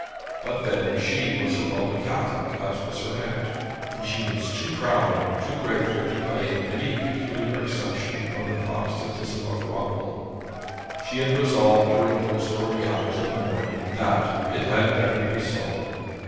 But then she was a Roman Catholic, as was her aunt; and she was too proud and too grateful to claim any peculiar exemption from the Protestantism of her uncle. She had resolved during those early hours of the morning that 'it had better be so.'